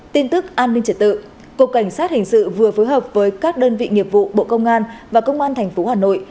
tin tức an ninh trật tự cục cảnh sát hình sự vừa phối hợp với các đơn vị nghiệp vụ bộ công an và công an tp hà nội